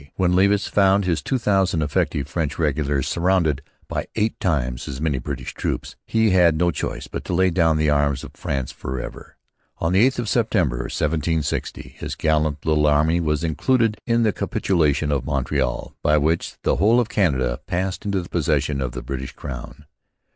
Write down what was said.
When Levis found his two thousand effective French regulars surrounded by eight times as many British troops he had no choice but to lay down the arms of France for ever. On the 8th of September 1760 his gallant little army was included in the Capitulation of Montreal, by which the whole of Canada passed into the possession of the British Crown.